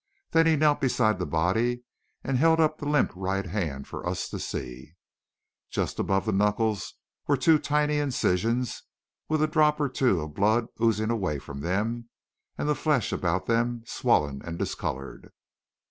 Then he knelt beside the body, and held up the limp right hand for us to see. Just above the knuckles were two tiny incisions, with a drop or two of blood oozing away from them, and the flesh about them swollen and discoloured.